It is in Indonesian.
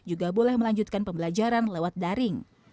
juga boleh melanjutkan pembelajaran lewat daring